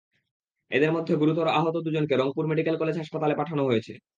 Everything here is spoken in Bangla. এদের মধ্যে গুরুতর আহত দুজনকে রংপুর মেডিকেল কলেজ হাসপাতালে পাঠানো হয়েছে।